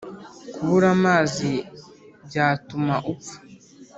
kubura amazi byatuma upfa.